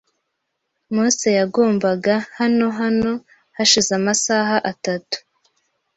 Mose yagombaga hano hano hashize amasaha atatu.